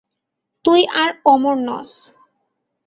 তুই আর অমর নস!